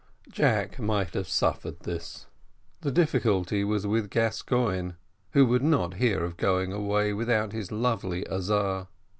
Jack might have suffered this; the difficulty was with Gascoigne, who would not hear of going away without his lovely Azar.